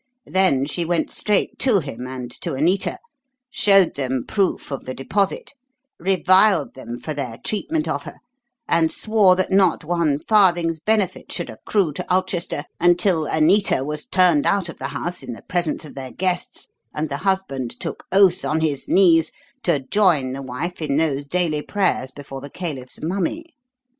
Then she went straight to him and to Anita, showed them proof of the deposit, reviled them for their treatment of her, and swore that not one farthing's benefit should accrue to Ulchester until Anita was turned out of the house in the presence of their guests and the husband took oath on his knees to join the wife in those daily prayers before the caliph's mummy.